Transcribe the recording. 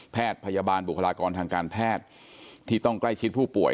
แพทย์พยาบาลบุคลากรทางการแพทย์ที่ต้องใกล้ชิดผู้ป่วย